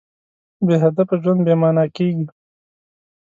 بېهدفه ژوند بېمانا کېږي.